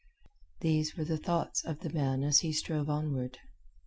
These were the thoughts of the man as he strove onward.